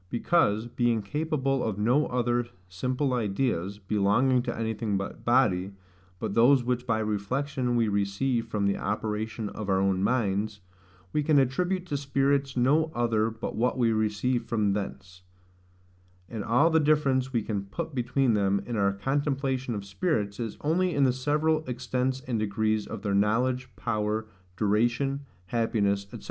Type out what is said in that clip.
Because, being capable of no other simple ideas, belonging to anything but body, but those which by reflection we receive from the operation of our own minds, we can attribute to spirits no other but what we receive from thence: and all the difference we can put between them, in our contemplation of spirits, is only in the several extents and degrees of their knowledge, power, duration, happiness, &c.